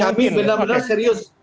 jadi kami benar benar serius